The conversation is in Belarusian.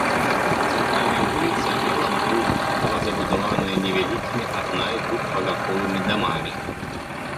Цэнтральная вуліца мела брук, была забудаваная невялікімі адна- і двухпавярховымі дамамі.